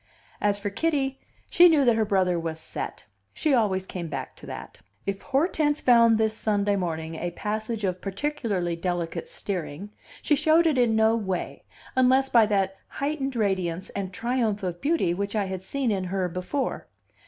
As for Kitty, she knew that her brother was "set"; she always came back to that. If Hortense found this Sunday morning a passage of particularly delicate steering, she showed it in no way, unless by that heightened radiance and triumph of beauty which I had seen in her before.